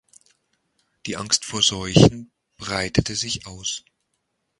Die Angst vor Seuchen breitete sich aus.